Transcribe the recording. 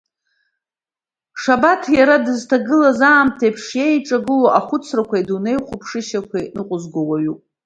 Шабаҭ иара дызҭагылаз аамҭа еиԥш еиҿагыло ахәыцрақәеи адунеихәаԥшышьақәеи ныҟәызго уаҩуп.